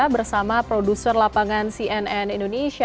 bersama produser lapangan cnk